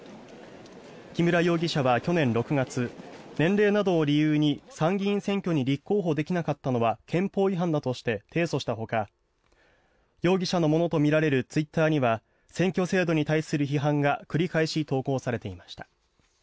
木村容疑者は去年６月年齢などを理由に参議院選挙に立候補できなかったのは憲法違反だとして提訴したほか容疑者のものとみられるツイッターには選挙制度に対する批判が繰り返し投稿されていました。